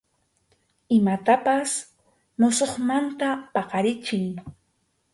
Imapas musuqmanta paqarichiy.